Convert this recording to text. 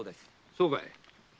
そうかい。